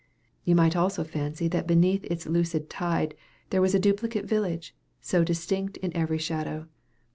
You might also fancy that beneath its lucid tide there was a duplicate village, so distinct is every shadow.